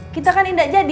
kita kan tidak jadi